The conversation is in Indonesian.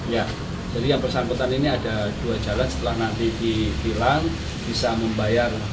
ya jadi yang bersangkutan ini ada dua jalan setelah nanti dibilang bisa membayar